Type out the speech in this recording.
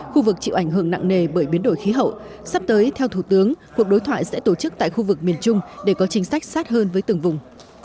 khu vực chịu ảnh hưởng nặng nề bởi biến đổi khí hậu sắp tới theo thủ tướng cuộc đối thoại sẽ tổ chức tại khu vực miền trung để có chính sách sát hơn với từng vùng